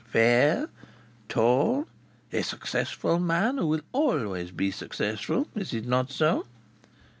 Fair, tall. A successful man who will always be successful. Is it not so?"